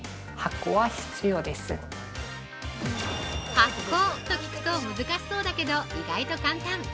◆発酵と聞くと難しそうだけど意外と簡単！